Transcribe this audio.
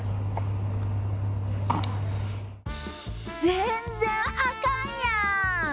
全然あかんやーん。